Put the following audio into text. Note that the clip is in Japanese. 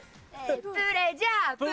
プレジャー！